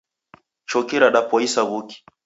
Choki radapoisa w'uki.